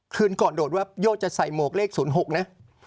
คืนก่อนโดดว่าโยชน์จะใส่หมวกเลขศูนย์หกนะ